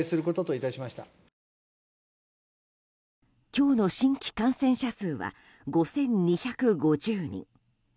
今日の新規感染者数は５２５０人。